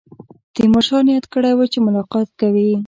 تیمورشاه نیت کړی وو چې ملاقات کوي.